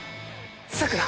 さくら！